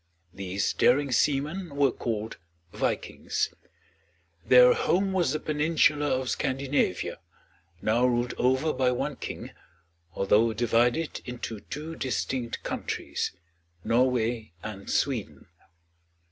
These daring seamen were called Vikings. Their home was the peninsula of Scandinavia, now ruled over by one king, although divided into two distinct countries, Norway and Sweden.